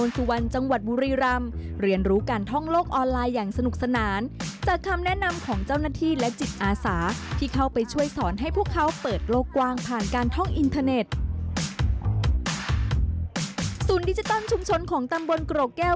ศูนย์ดิจิตัลชุมชนของตำบลเกราะแก้ว